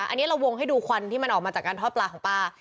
อันนี้เราวงให้ดูควันที่มันออกมาจากการทอดปลาของป้า